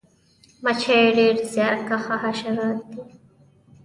مچۍ ډیر زیارکښه حشرات دي